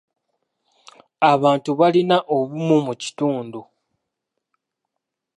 Abantu balina obumu mu kitundu.